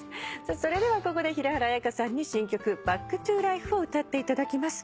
それではここで平原綾香さんに新曲『ＢａｃｋｔｏＬｉｆｅ』を歌っていただきます。